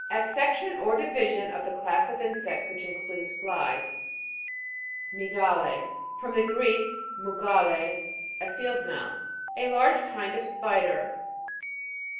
A section or division of the class of insects, which includes flies. MY'GALE. From the Greek, mugale, a field mouse. A large kind of spider.